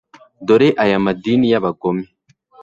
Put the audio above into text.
dore aya madini y'abagome